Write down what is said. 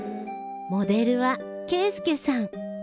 モデルは啓介さん。